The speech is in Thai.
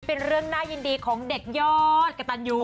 เป็นเรื่องน่ายินดีของเด็กยอดกระตันยู